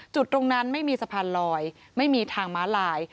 จุดตรงนั้นไม่มีสะพานลอยไม่มีทางม้าลาย